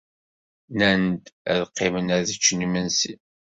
Nnan-d ad qqimen ad ččen imensi.